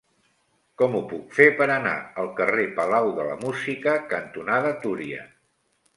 Com ho puc fer per anar al carrer Palau de la Música cantonada Túria?